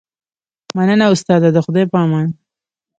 مننه استاده د خدای په امان